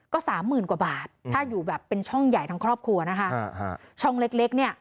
ก็สามหมื่นกว่าบาทถ้าอยู่แบบเป็นช่องใหญ่ทั้งครอบครัวนะคะช่องเล็กเล็กเนี่ย